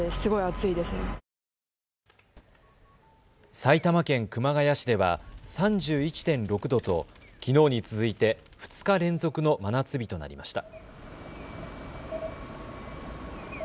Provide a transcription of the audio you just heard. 埼玉県熊谷市では３１．６度ときのうに続いて２日連続の真夏日となりました。